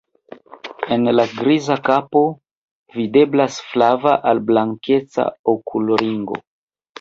En la griza kapo videblas flava al blankeca okulringo.